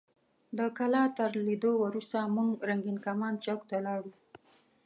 د کلا تر لیدو وروسته موږ رنګین کمان چوک ته لاړو.